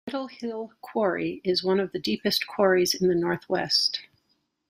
Whittle Hill Quarry is one of the deepest quarries in the North West.